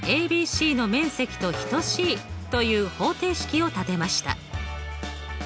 ＡＢＣの面積と等しいという方程式を立てました。